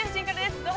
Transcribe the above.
どうぞ。